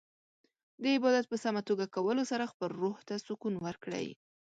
د عبادت په سمه توګه کولو سره خپل روح ته سکون ورکړئ.